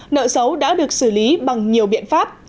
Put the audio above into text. nợ xấu đã được xử lý bằng nhiều biện pháp